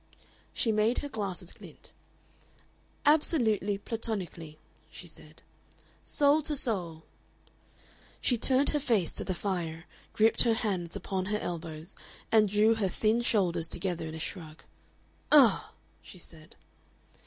She made her glasses glint. "Absolutely platonically," she said. "Soul to soul." She turned her face to the fire, gripped her hands upon her elbows, and drew her thin shoulders together in a shrug. "Ugh!" she said.